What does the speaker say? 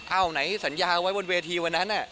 เอ้าไหนสัญญาไว้บนเวทีเว้นนั้น